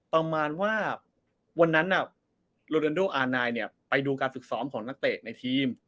ประมาณว่าวันนั้นโรดันโดอานายเนี่ยไปดูการฝึกซ้อมของนักเตะในทีม